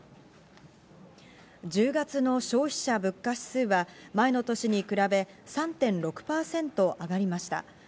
１０月の消費者物価指数は前の年に比べ３．６％上がりました。